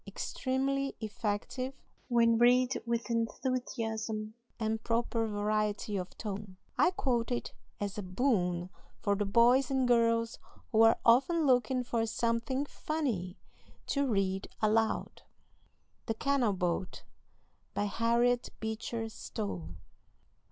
Extremely effective when read with enthusiasm and proper variety of tone. I quote it as a boon for the boys and girls who are often looking for something "funny" to read aloud. THE CANAL BOAT. BY HARRIET BEECHER STOWE.